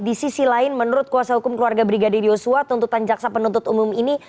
di sisi lain menurut kuasa hukum keluarga brigadir yosua tuntutan jaksa penuntut umum ini